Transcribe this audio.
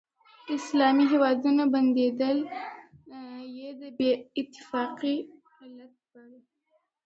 اسلامي هیوادونه بندېدل یې د بې اتفاقۍ علت باله.